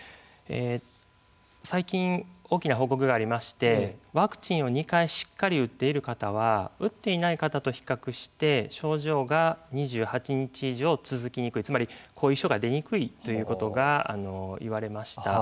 最近大きな報告がありましてワクチンを２回しっかり打っている方は打っていない方と比較して症状が２８日間以上続きにくいつまり後遺症が出にくいということがいわれました。